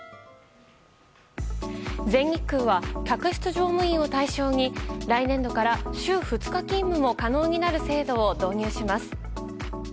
全日空は客室乗務員を対象に来年度から、週２日勤務も可能になる制度を導入します。